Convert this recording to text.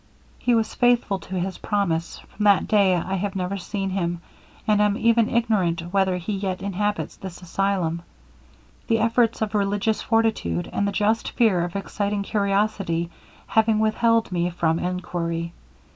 He was faithful to his promise; from that day I have never seen him, and am even ignorant whether he yet inhabits this asylum; the efforts of religious fortitude, and the just fear of exciting curiosity, having withheld me from enquiry.